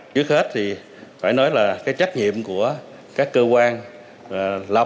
trước hết thì phải nói là cái trách nhiệm của các cơ quan lập